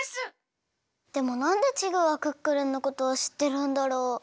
でもなんでチグはクックルンのことをしってるんだろう？